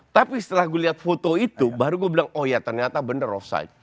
tapi setelah saya lihat foto itu baru saya bilang oh ya ternyata benar offside